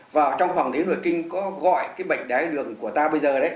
và trong hoàng đế nội kinh có gọi cái bệnh đáy tháo đường của ta bây giờ